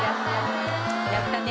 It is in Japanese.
やったね。